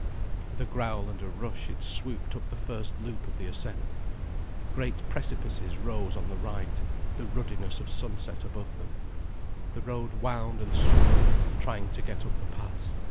With a growl and a rush it swooped up the first loop of the ascent. Great precipices rose on the right, the ruddiness of sunset above them. The road wound and swirled, trying to get up the pass.